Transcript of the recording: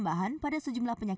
kita juga bisa mengobati penyelaman